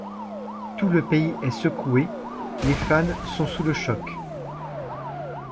Tout le pays est secoué, les fans sont sous le choc.